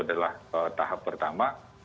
adalah tahap pertama